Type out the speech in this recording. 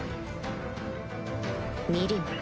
ミリム